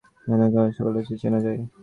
বিহারী কহিল, সকলকেই কি চেনা যায়।